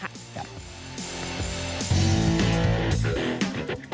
ครับ